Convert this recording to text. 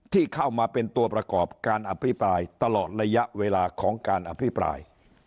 ที่เข้ามาเป็นตัวประกอบการอภิปรายตลอดระยะเวลาของการอภิปราย